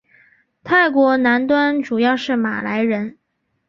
泰国南端主要是马来人。